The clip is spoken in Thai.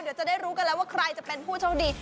เดี๋ยวจะได้รู้กันแล้วว่าใครจะเป็นผู้โชคดี